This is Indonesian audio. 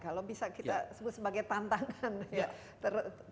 kalau bisa kita sebut sebagai tantangan ya